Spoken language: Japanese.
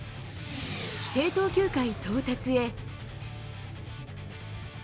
規定投球回到達へ。